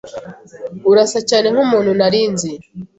Urasa cyane nkumuntu nari nzi.